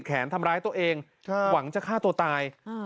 แขนทำร้ายตัวเองหวังจะฆ่าตัวตาย